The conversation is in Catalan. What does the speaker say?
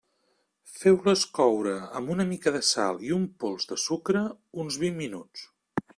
Feu-les coure amb una mica de sal i un pols de sucre uns vint minuts.